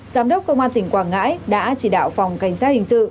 giám đốc công an tỉnh quảng ngãi đã chỉ đạo phòng cảnh sát hình sự